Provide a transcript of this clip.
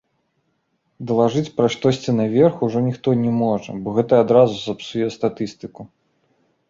Далажыць пра штосьці наверх ужо ніхто не можа, бо гэта адразу сапсуе статыстыку!